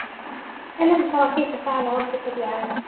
أَلَمْ تَرَ كَيْفَ فَعَلَ رَبُّكَ بِعَادٍ